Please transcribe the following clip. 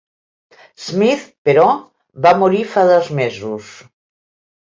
Smith, però va morir fa dos mesos.